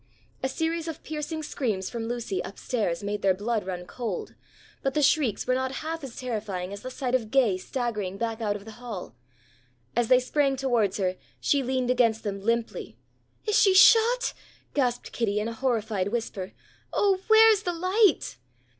A series of piercing screams from Lucy, up stairs, made their blood run cold, but the shrieks were not half as terrifying as the sight of Gay staggering back out of the hall. As they sprang towards her she leaned against them limply. "Is she shot?" gasped Kitty in a horrified whisper. "Oh, where's the light?"